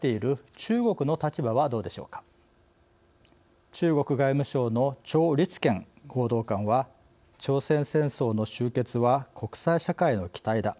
中国外務省の趙立堅報道官は「朝鮮戦争の終結は国際社会の期待だ。